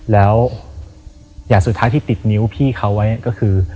แล้วอย่างสุดท้ายที่ติดนิ้วพี่เขาไว้ก็คือ